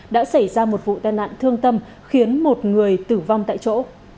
đã xảy ra một vụ đàn nạn thương tâm khiến một người tử vong tại chỗ